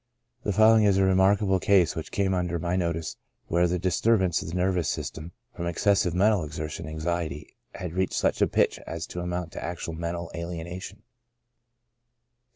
The following is a remarkable case which came under my notice, where the disturbance of the nervous system, from excessive mental exertion and anxiety, had reached such a pitch as to amount to actual mental alienation.